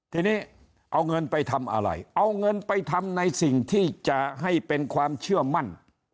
ทีนี้เอาเงินไปทำอะไรเอาเงินไปทำในสิ่งที่จะให้เป็นความเชื่อมั่น